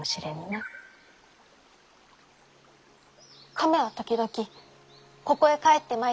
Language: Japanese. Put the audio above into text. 亀は時々ここへ帰ってまいります。